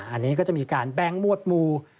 อันนี้ก็จะมีการแบงค์มวดมู